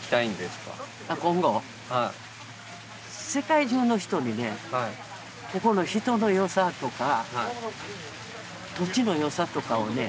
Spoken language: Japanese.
世界中の人にねここの人のよさとか土地のよさとかをね知ってもらいたい。